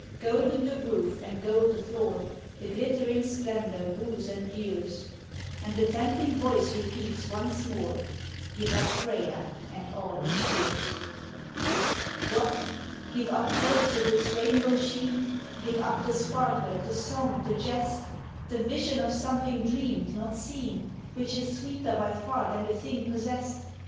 THE PRICE OF FREY& 77 Golden the roof and gold the floor ; The glittering splendor woos and lures ; And the tempting voice repeats once more : "Give up Freya, and all is yours." What ! give up hope with its rainbow sheen, Give up the sparkle, the song, the jest, The vision of something dreamed, not seen, Which is sweeter by far than the thing possessed